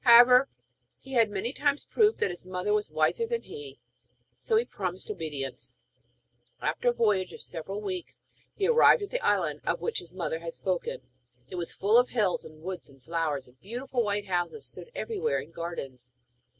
However, he had many times proved that his mother was wiser than he, so he promised obedience. After a voyage of several weeks, he arrived at the island of which his mother had spoken. It was full of hills and woods and flowers, and beautiful white houses stood everywhere in gardens.